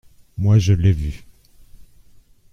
Moi, je l’ai vu.